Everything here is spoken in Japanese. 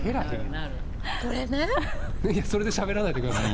いや、それでしゃべらないでください。